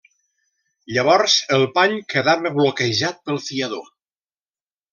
Llavors el pany quedava bloquejat pel fiador.